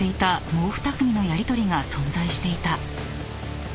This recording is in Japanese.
もう２組のやりとりが存在していた］